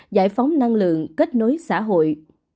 giải phóng năng lượng kết nối xã hội